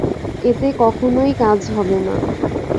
এতে কখনোই কাজ হবে না।